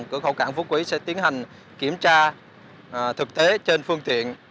cửa khẩu cảng phú quý sẽ tiến hành kiểm tra thực tế trên phương tiện